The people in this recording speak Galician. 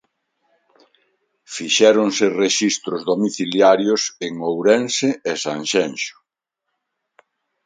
Fixéronse rexistros domiciliarios en Ourense e Sanxenxo.